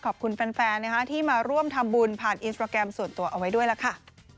ขอบคุณแฟนที่มาร่วมทำบุญผ่านอินสตราแกรมส่วนตัวเอาไว้ด้วยล่ะค่ะ